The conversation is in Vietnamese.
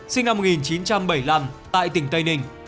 sinh năm một nghìn chín trăm bảy mươi năm tại tỉnh tây ninh